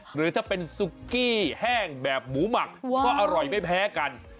หรือถ้าเป็นซุกกี้แห้งแบบหมูหมักก็อร่อยไม่แพ้กัน